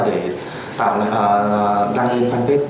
để tạo đăng ký fanpage